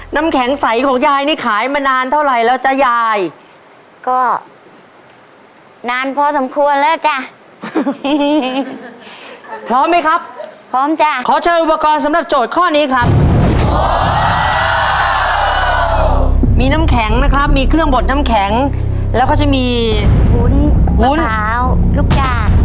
น้ำแข็งใสของยายนี่ขายมานานเท่าไรแล้วจ๊ะยาย